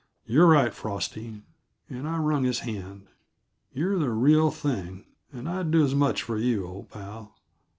"You're right, Frosty," and I wrung his hand. "You're the real thing, and I'd do as much for you, old pal.